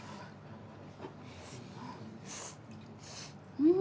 うん。